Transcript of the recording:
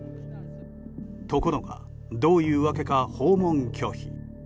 ところが、どういう訳か訪問拒否。